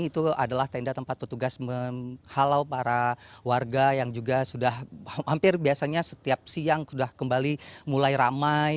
itu adalah tenda tempat petugas menghalau para warga yang juga sudah hampir biasanya setiap siang sudah kembali mulai ramai